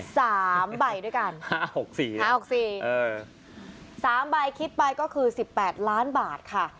สามใบด้วยกันห้าหกสี่ห้าหกสี่เออสามใบคิดไปก็คือสิบแปดล้านบาทค่ะ